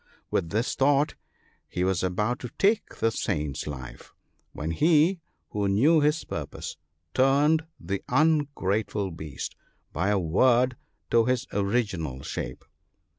' With this thought he was about to take the Saint's life, when he, who knew his purpose, turned the ungrateful beast by a word to his original shape.